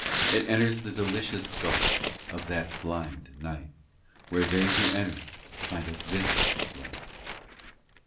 It enters the delicious gulf Of that blind night, Where they who enter find a vivid light.